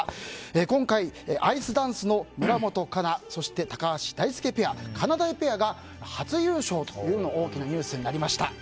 今回、アイスダンスの村元哉中そして高橋大輔ペアかなだいペアが初優勝というのも大きなニュースになりました。